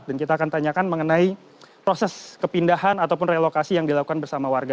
dan kita akan tanyakan mengenai proses kepindahan ataupun relokasi yang dilakukan bersama warga